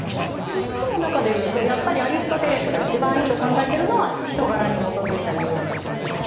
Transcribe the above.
３つの中で言うとやっぱりアリストテレスが一番いいと考えてるのは人柄に基づいた友愛なんでしょうか？